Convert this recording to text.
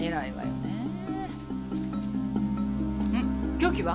凶器は？